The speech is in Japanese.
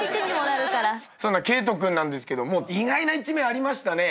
そんな慧登君なんですけども意外な一面ありましたね。